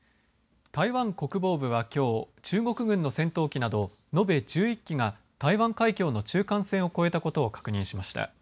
台湾国防部はきょう中国軍の戦闘機などのべ１１機が台湾海峡の中間線を越えたことを確認しました。